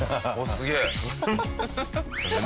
すげえ何？